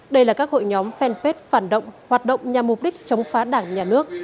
đây là các hội nhóm fanpage hoạt động nhằm mục đích chống phá đảng nhà nước